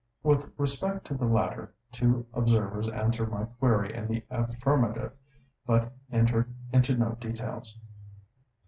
With respect to the latter, two observers answer my query in the affirmative, but enter into no details.